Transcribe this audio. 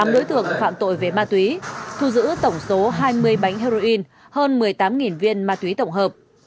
tám đối tượng phạm tội về ma túy thu giữ tổng số hai mươi bánh heroin hơn một mươi tám viên ma túy tổng hợp